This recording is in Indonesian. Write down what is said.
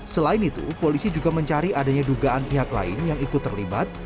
selain itu polisi juga mencari adanya dugaan pihak lain yang ikut terlibat